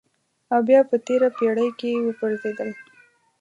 او بیا په تېره پېړۍ کې وپرځېدل.